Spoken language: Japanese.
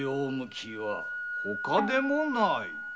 ほかでもない。